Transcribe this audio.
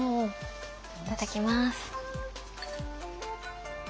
いただきます。